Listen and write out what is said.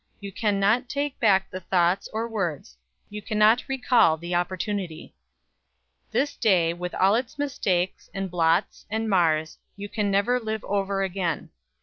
You can not take back the thoughts or words; you can not recall the opportunity. This day, with all its mistakes, and blots, and mars, you can never live over again.